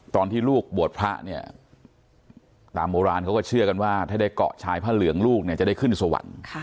ตอนที่ลูกบวชพระเนี่ยตามโบราณเขาก็เชื่อกันว่าถ้าได้เกาะชายพระเหลืองลูกเนี่ยจะได้ขึ้นสวรรค์